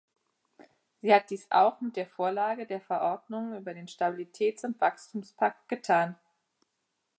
Sie hat dies auch mit der Vorlage der Verordnungen über den Stabilitäts- und Wachstumspakt getan.